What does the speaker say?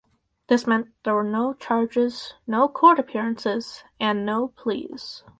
This meant that there were no charges, no court appearances and no pleas.